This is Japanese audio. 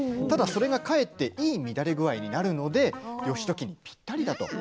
ただそれがかえっていい乱れ具合になるので義時にぴったり。